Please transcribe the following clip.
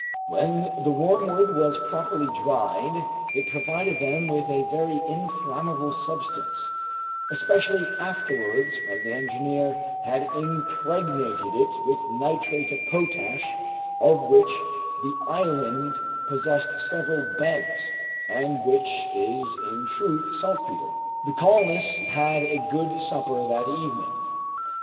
When the wormwood was properly dried it provided them with a very inflammable substance, especially afterwards when the engineer had impregnated it with nitrate of potash, of which the island possessed several beds, and which is in truth saltpeter. The colonists had a good supper that evening.